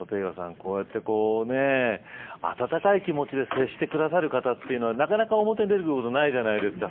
こうやって温かい気持ちで接してくださる方っていうのはなかなか表に出てくることないじゃないですか。